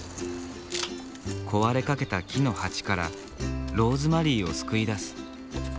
壊れかけた木の鉢からローズマリーを救い出す。